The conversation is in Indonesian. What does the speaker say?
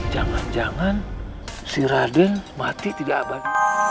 jangan jangan si raden mati tidak abad